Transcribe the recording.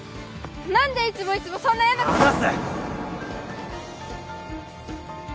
何でいつもいつもそんな嫌なこと離せ！